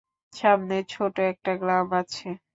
সামনে ছোট একটা গ্রাম আছে।